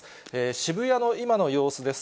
渋谷の今の様子です。